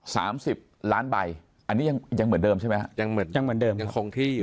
สามสิบล้านใบอันนี้ยังเหมือนเดิมใช่ไหมครับยังเหมือนเดิมยังคงที่อยู่